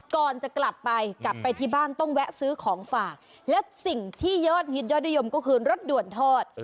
ก่อนจะกลับไปกลับไปที่บ้านต้องแวะซื้อของฝากและสิ่งที่ยอดฮิตยอดนิยมก็คือรถด่วนทอด